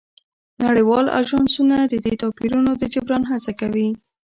نړیوال اژانسونه د دې توپیرونو د جبران هڅه کوي